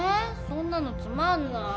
そんなのつまんない。